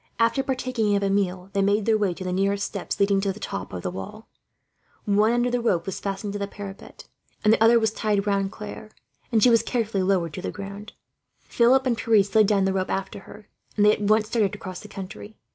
After partaking of a meal, they made their way to the nearest steps leading to the top of the wall. One end of the rope was fastened to the parapet, the other was tied round Claire, and she was carefully lowered to the ground. Philip and Pierre slid down the rope after her, and they at once started across the country.